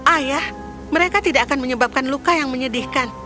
ayah mereka tidak akan menyebabkan luka yang menyedihkan